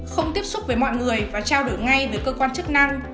không tiếp xúc với mọi người và trao đổi ngay với cơ quan chức năng